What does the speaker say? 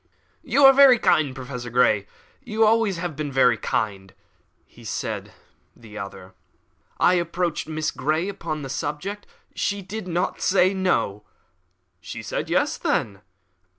"You are very kind, Professor Grey you have always been very kind," said the other. "I approached Miss Grey upon the subject; she did not say No." "She said Yes, then?"